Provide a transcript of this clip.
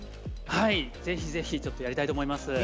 ぜひぜひやりたいと思います。